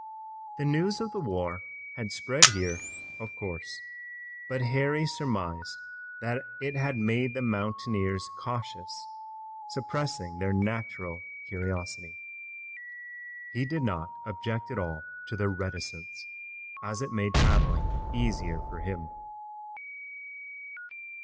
The news of the war had spread here, of course, but Harry surmised that it had made the mountaineers cautious, suppressing their natural curiosity. He did not object at all to their reticence, as it made traveling easier for him.